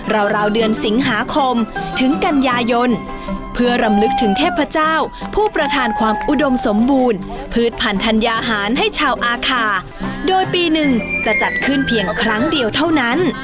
ราวราวเดือนสิงหาคมถึงกันยายนเพื่อรำลึกถึงเทพเจ้าผู้ประทานความอุดมสมบูรณ์พืชพันธัญญาหารให้ชาวอาคาโดยปีหนึ่งจะจัดขึ้นเพียงครั้งเดียวเท่านั้น